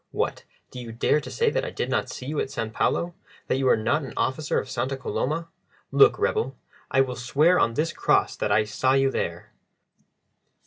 What, do you dare to say that I did not see you at San Paulo that you are not an officer of Santa Coloma? Look, rebel, I will swear on this cross that I saw you there."